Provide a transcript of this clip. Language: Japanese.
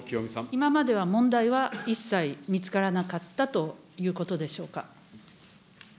今までは問題は一切見つからなかったということでしょうか。